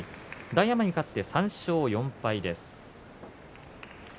大奄美が勝って３勝４敗です。